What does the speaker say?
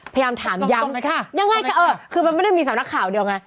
พยายามถามย้ำอย่างง่ายคือมันไม่ได้มีสำนักข่าวเดี๋ยวไง